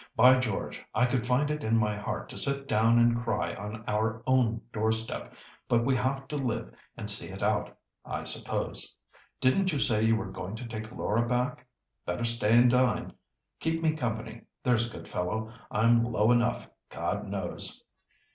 "By George, I could find it in my heart to sit down and cry on our own doorstep, but we have to live and see it out, I suppose. Didn't you say you were going to take Laura back? Better stay and dine. Keep me company, there's a good fellow. I'm low enough, God knows!"